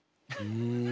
うん。